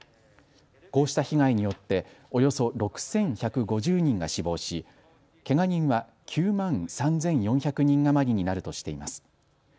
こうした被害によっておよそ６１５０人が死亡しけが人は９万３４００人余りになるとしています。